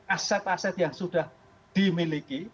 aset aset yang sudah dimiliki